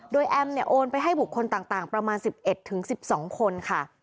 โดยแอมเนี่ยโอนไปให้บุคคลต่างประมาณ๑๑๑๑๒คนค่ะ